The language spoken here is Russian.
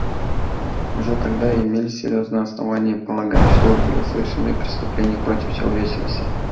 Уже тогда имелись серьезные основания полагать, что были совершены преступления против человечности.